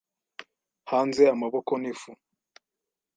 hanze amaboko n'ifu,